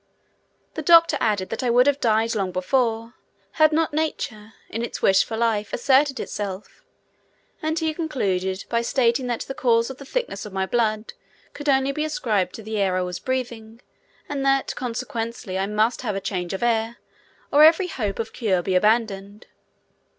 The doctor added that I would have died long before, had not nature, in its wish for life, assisted itself, and he concluded by stating that the cause of the thickness of my blood could only be ascribed to the air I was breathing and that consequently I must have a change of air, or every hope of cure be abandoned.